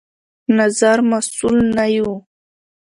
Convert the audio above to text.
نظر مسوول نه يو